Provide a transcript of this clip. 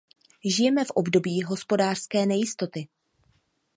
Žijeme v období hospodářské nejistoty.